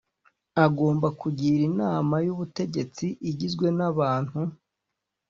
agomba kugira Inama y Ubutegetsi igizwe n abantu